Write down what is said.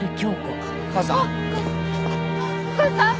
母さん！